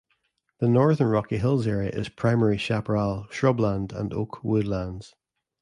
The northern rocky hills area is primarily chaparral shrubland and oak woodlands.